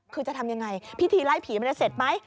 คือจะทำยังไงพิธีไล่ผีมันจะเสร็จไหม